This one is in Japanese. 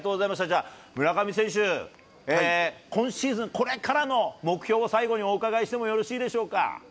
じゃあ、村上選手、今シーズン、これからの目標を最後にお伺いしてもよろしいでしょうか。